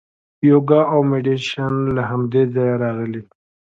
یوګا او میډیټیشن له همدې ځایه راغلي.